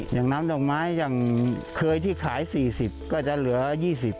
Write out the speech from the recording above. อย่างน้ำดอกไม้อย่างเคยที่ขายสี่สิบก็จะเหลือยี่สิบ